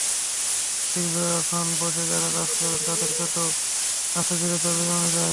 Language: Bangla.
দীর্ঘক্ষণ বসে যাঁরা কাজ করেন, তাঁদের পেটেও আস্তেধীরে চর্বি জমে যায়।